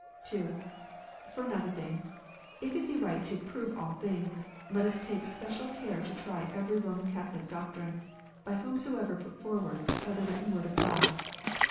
(2) For another thing, if it be right to "prove all things," let us take special care to try every Roman Catholic doctrine, by whomsoever put forward, by the written Word of God.